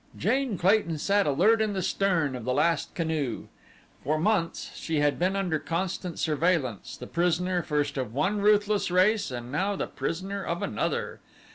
Jane Clayton sat alert in the stern of the last canoe. For months she had been under constant surveillance, the prisoner first of one ruthless race and now the prisoner of another.